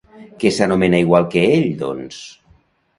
Què s'anomena igual que ell, doncs?